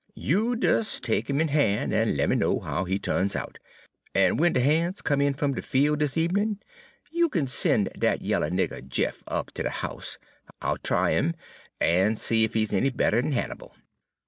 You des take 'im in han', en lemme know how he tu'ns out. En w'en de han's comes in fum de fiel' dis ebenin' you kin sen' dat yaller nigger Jeff up ter de house. I 'll try 'im, en see ef he's any better 'n Hannibal.'